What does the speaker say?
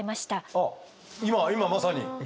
あっ今今まさに。